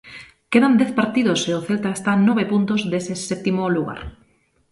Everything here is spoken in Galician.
Quedan dez partidos e o Celta está a nove puntos dese sétimo lugar.